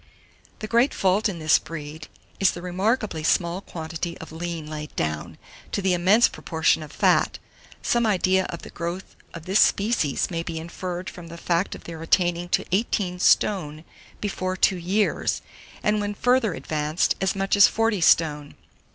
The great fault in this breed is the remarkably small quantity of lean laid down, to the immense proportion of fat. Some idea of the growth of this species may be inferred from the fact of their attaining to 18 stone before two years, and when further advanced, as much as 40 stone.